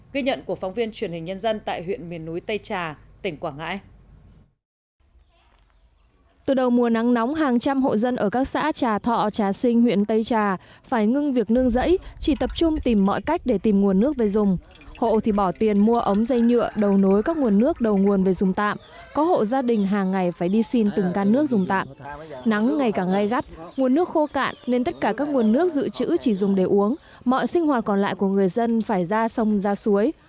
ghi nhận của phóng viên truyền hình nhân dân tại huyện miền núi tây trà tỉnh quảng ngãi